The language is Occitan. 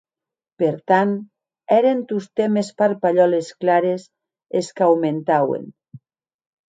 Per tant, èren tostemp es parpalhòles clares es qu'aumentauen.